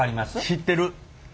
知ってる。